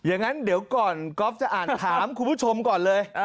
อย่างนั้นเดี๋ยวก่อนก๊อฟจะอ่านถามคุณผู้ชมก่อนเลย